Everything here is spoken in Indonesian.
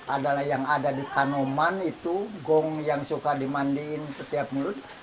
adalah yang ada di kanoman itu gong yang suka dimandiin setiap mulut